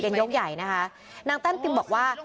ยกใหญ่นะคะนางแต้มติมบอกว่า